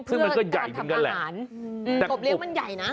ซึ่งมันก็ใหญ่เหมือนกันแหละแต่กบเลี้ยมันใหญ่นะ